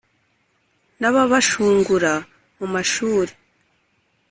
n’ ababashungura mu mashuri,